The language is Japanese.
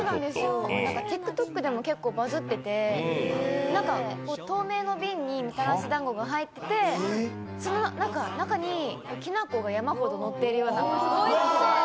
ＴｉｋＴｏｋでも結構バズってて透明の瓶にみたらしだんごが入ってて、その中に、きな粉が山ほどのっているような。